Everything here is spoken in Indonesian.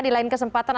di lain kesempatan